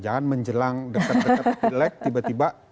jangan menjelang dekat dekat pilih lag tiba tiba